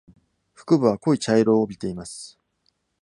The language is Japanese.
腹部は濃い茶色を帯びています。